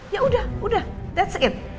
ya udah udah that's it